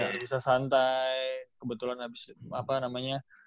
nggak bisa santai kebetulan abis apa namanya